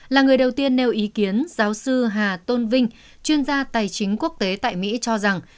là người đầu tiên nêu ý kiến giáo sư hà tôn vinh chuyên gia tài chính quốc tế tại mỹ cho rằng